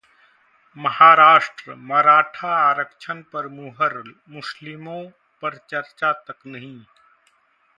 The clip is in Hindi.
महाराष्ट्र: मराठा आरक्षण पर मुहर, मुस्लिमों पर चर्चा तक नहीं